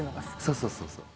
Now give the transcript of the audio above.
そうそうそうそう。